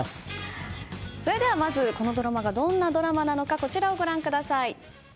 それではまずこのドラマがどんなドラマなのかこちらをご覧ください。